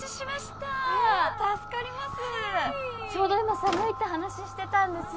ちょうど今寒いって話してたんです。